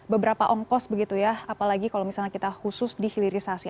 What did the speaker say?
beberapa angkos begitu ya apalagi kalau misalnya kita khusus di hililisasi